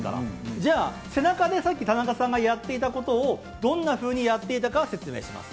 じゃあ、背中でさっき田中さんがやっていたことを、どんなふうにやっていたかを説明します。